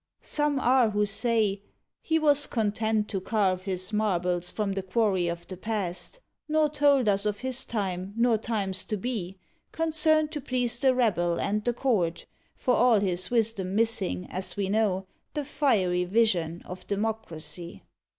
Some are who say: "He was content to carve His marbles from the quarry of the Past, Nor told us of his time nor times to be, Concerned to please the rabble and the court For all his wisdom missing, as we know The fiery vision of democracy."